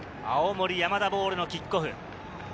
青森山田ボールのキックオフ。